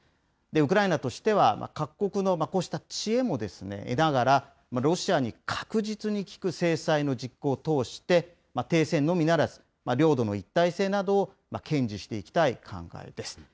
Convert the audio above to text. ウクライナとしては、各国のこうした知恵も得ながら、ロシアに確実に効く制裁の実行を通して、停戦のみならず、領土の一体性などを堅持していきたい考えです。